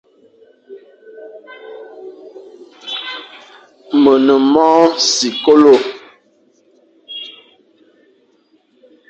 Me ne mong sikolo.